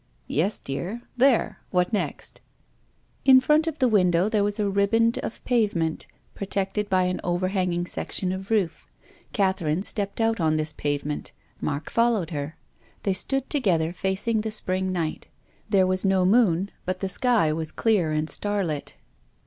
" Yes, dear. There ! What next ?" In front of the window there was a riband of pavement protected by an overhanging section of roof. Catherine stepped out on this pavement. Mark followed her. They stood together facing the spring night. There was no moon, but the sky was clear and starlit.